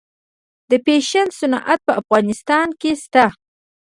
د فیشن صنعت په افغانستان کې شته؟